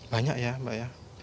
banyak ya mbak ya